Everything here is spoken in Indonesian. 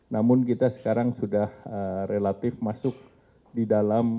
namun kita sekarang sudah relatif masuk di dalam